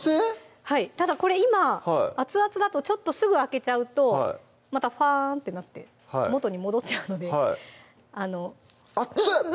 はいただこれ今熱々だとちょっとすぐ開けちゃうとまたファーンってなって元に戻っちゃうのであのあっつ！